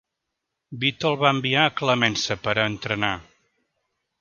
Vito el va enviar a Clemenza per a entrenar.